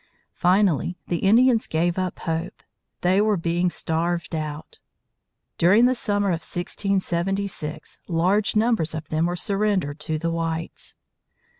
Finally, the Indians gave up hope. They were being starved out. During the summer of 1676, large numbers of them surrendered to the whites.